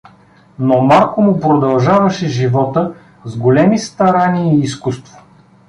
Но Марко му продължаваше живота с големи старания и изкуство.